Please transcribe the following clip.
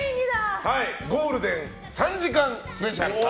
ゴールデン３時間スペシャルと。